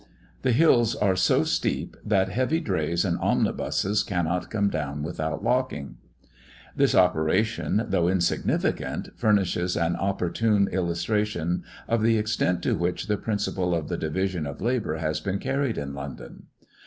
The hills are so steep that heavy drays and omnibuses cannot come down without locking. This operation, though insignificant, furnishes an opportune illustration of the extent to which the principle of the division of labour has been carried in London.